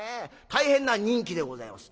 大変な人気でございます。